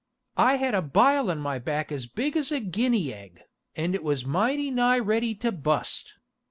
I had a bile on my back as big as a ginney egg, and it was mighty nigh ready to bust.